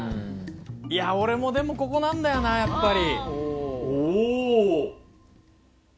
いや俺もでもここなんだよなやっぱり。